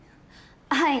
はい。